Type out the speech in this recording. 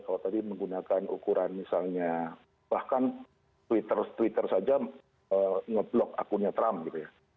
kalau tadi menggunakan ukuran misalnya bahkan twitter saja ngeblok akunnya trump gitu ya